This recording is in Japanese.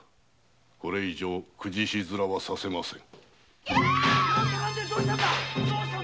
これ以上公事師面はさせませぬ。